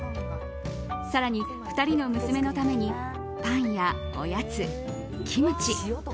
更に、２人の娘のためにパンや、おやつ、キムチ。